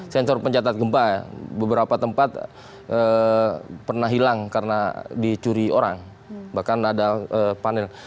sensor pencatat gempa beberapa tempat pernah hilang karena dicuri orang bahkan ada panel